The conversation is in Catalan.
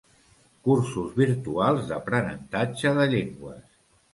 Cursos virtuals d'aprenentatge de llengües.